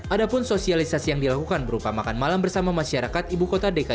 ada pun sosialisasi yang dilakukan berupa makan malam bersama masyarakat ibu kota dki jakarta